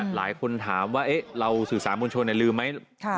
หลายคนถามว่าเราสื่อสารมวลชนลืมไหม